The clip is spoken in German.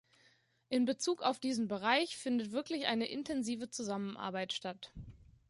In Bezug auf diesen Bereich findet wirklich eine intensive Zusammenarbeit statt.